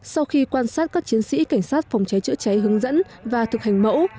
sau khi quan sát các chiến sĩ cảnh sát phòng cháy chữa cháy hướng dẫn và thực hành mẫu